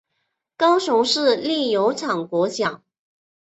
高雄市立油厂国小